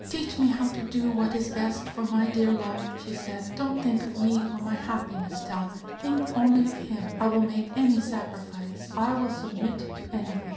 "Teach me how to do what is best for my dear love," she said. "Don't think of me or my happiness, Talbot; think only of him. I will make any sacrifice; I will submit to anything.